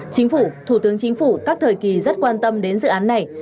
chính phủ thủ tướng chính phủ các thời kỳ rất quan tâm đến dự án này